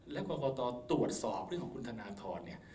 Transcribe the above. และกรกตตรวจสอบเรื่องของคุณธนทรเนี่ย